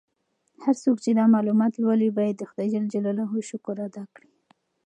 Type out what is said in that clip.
هر څوک چې دا معلومات لولي باید د خدای شکر ادا کړي.